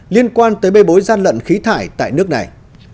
liên quan tới bê bối gian lận khí thải tại nước này